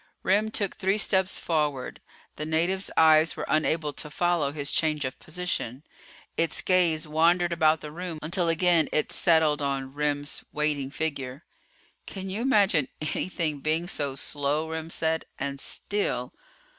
Remm took three steps forward. The native's eyes were unable to follow his change of position. Its gaze wandered about the room, until again its settled on Remm's waiting figure. "Can you imagine anything being so slow," Remm said, "and still